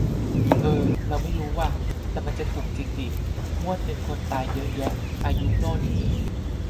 เอ่อเราไม่รู้ว่ะ แต่มันจะถูกจิงดิ งวดนึงคนตายเยอะแยะ อายุโน่นนี่